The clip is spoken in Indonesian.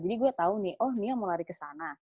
jadi gue tahu nih oh nia mau lari ke sana